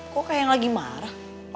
kok kayak lagi marah